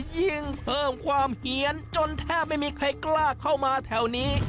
ยิ่งเพิ่มความเหี้ยนจนแทบไม่มีใครกล้าเข้ามาแถวนี้